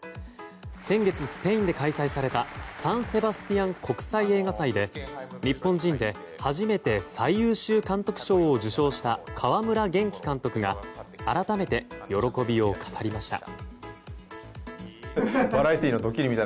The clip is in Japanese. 先月、スペインで開催されたサン・セバスティアン国際映画祭で日本人で初めて最優秀監督賞を受賞した川村元気監督が改めて喜びを語りました。